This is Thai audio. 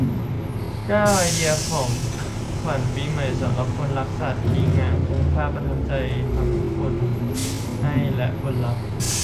เก้า ไอเดียของขวัญปีใหม่สำหรับคนรักสัตว์ ดีงาม คุ้มค่า ประทับใจทั้งคนให้และคนรับ